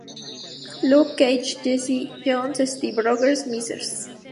Luke Cage, Jessica Jones, Steve Rogers, Mr.